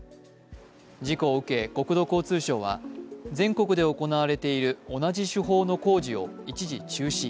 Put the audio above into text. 事故を受け、国土交通省は全国で行われている同じ手法の工事を一時中止。